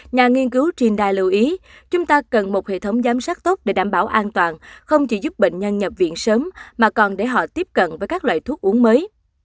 nhà nghiên cứu trindai lưu ý chúng ta cần một hệ thống giám sát tốt để đảm bảo an toàn không chỉ giúp bệnh nhân nhập viện sớm mà còn để họ tiếp cận với các loại thuốc uống mới